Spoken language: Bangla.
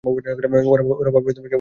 ওরা ভাববে কেউ গাড়িটা চুরি করেছে।